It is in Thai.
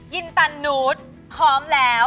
อินตันนูตพร้อมแล้ว